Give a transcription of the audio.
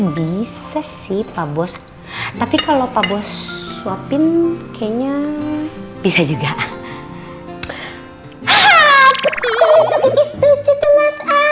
bisa sih pak bos tapi kalau pak bos suapin kayaknya bisa juga